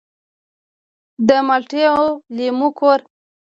د مالټې او لیمو کور.